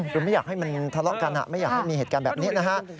คือไม่อยากให้มันทะเลาะกันไม่อยากให้มีเหตุการณ์แบบนี้นะฮะ